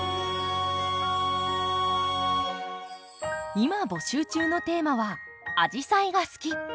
今募集中のテーマは「アジサイが好き！」。